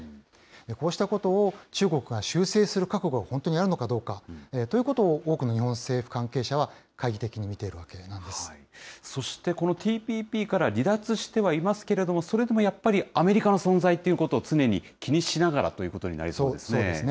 こうしたことを、中国が修正する覚悟が本当にあるのかどうかということを多くの日本政府関係者は、そしてこのＴＰＰから離脱してはいますけれども、それでもやっぱり、アメリカの存在っていうことを常に気にしながらということになりそうですね。